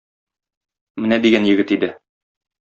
Менә дигән егет иде.